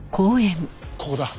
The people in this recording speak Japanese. ここだ。